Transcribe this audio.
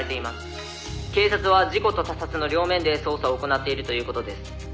「警察は事故と他殺の両面で捜査を行っているという事です」